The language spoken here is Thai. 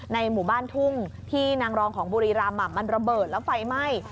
หมู่บ้านทุ่งที่นางรองของบุรีรำมันระเบิดแล้วไฟไหม้